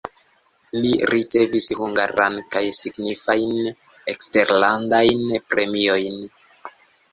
Li ricevis hungaran kaj signifajn eksterlandajn premiojn.